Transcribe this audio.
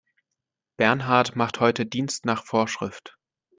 Bernhard macht heute Dienst nach Vorschrift.